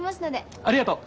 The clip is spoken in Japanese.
ありがとう。